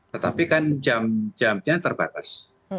tetapi kan jam jamnya terbatas